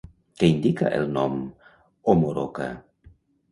Què indica el nom Omoroca?